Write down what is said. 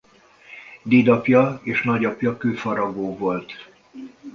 Dédapja és nagyapja kőfaragó volt.